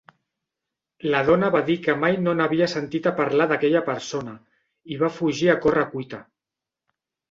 La dona va dir que mai no n'havia sentit a parlar d'aquella persona, i va fugir a corre cuita.